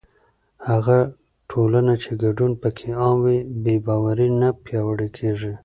هغه ټولنه چې ګډون پکې عام وي، بې باوري نه پیاوړې کېږي.